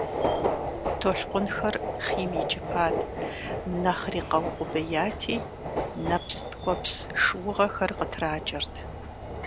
Толъкъунхэр хъийм икӀыпат, нэхъри къэукъубеяти, нэпс ткӀуэпс шыугъэхэр къытракӀэрт.